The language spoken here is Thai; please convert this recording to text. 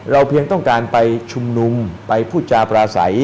เพียงต้องการไปชุมนุมไปพูดจาปราศัย